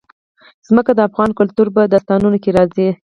ځمکه د افغان کلتور په داستانونو کې راځي.